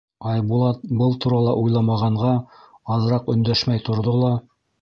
Айбулат, был турала уйламағанға, аҙыраҡ өндәшмәй торҙо ла: